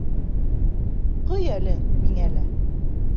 Ҡой әле миңә лә.